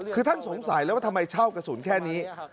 คือท่านสงสัยแล้วว่าทำไมเช่ากระสุนแค่นี้